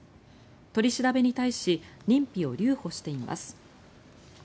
取り調べに対し認否を留保しています。